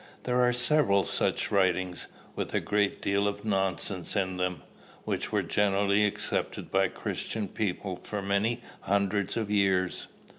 There are several such writings, with a great deal of nonsense in them, which were generally accepted by Christian people for many hundreds of years."